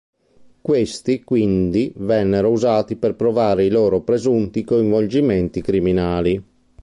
Questi, quindi, vennero usati per provare i loro presunti coinvolgimenti criminali.